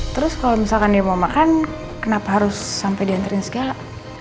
terus kalau misalkan dia mau makan kenapa harus sampai diantarin segala